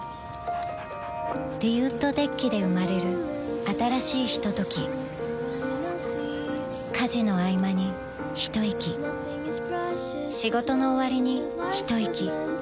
リウッドデッキで生まれる新しいひととき家事のあいまにひといき仕事のおわりにひといき